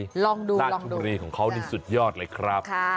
ลองดูราชบุรีของเขานี่สุดยอดเลยครับ